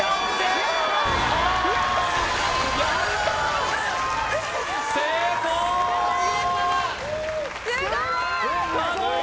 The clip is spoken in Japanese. すごい！